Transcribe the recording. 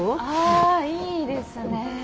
あいいですね。